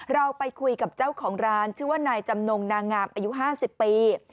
เราไปคุยกับเจ้าของร้านชื่อว่านายจำนงนางงามอายุ๕๐ปี